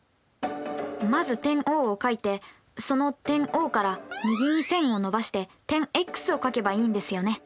まず点Ｏを書いてその点Ｏから右に線を伸ばして点Ｘを書けばいいんですよね。